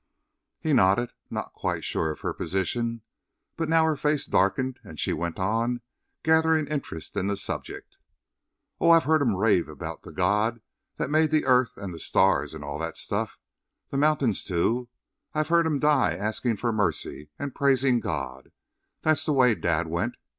He nodded, not quite sure of her position, but now her face darkened and she went on, gathering interest in the subject. "Oh, I've heard 'em rave about the God that made the earth and the stars and all that stuff; the mountains, too. I've heard 'em die asking for mercy and praising God. That's the way Dad went.